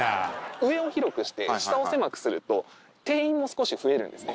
上を広くして、下を狭くすると、定員も少し増えるんですね。